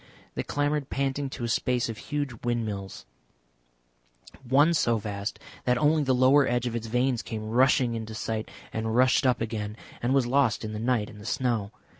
They clambered panting to a space of huge windmills, one so vast that only the lower edge of its vanes came rushing into sight and rushed up again and was lost in the night and the snow.